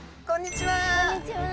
こんにちは。